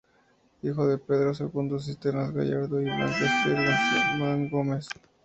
Hijo de Pedro Segundo Cisternas Gallardo y Blanca Ester Guzmán Gómez.